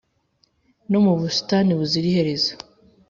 no mu busitani buzira iherezo".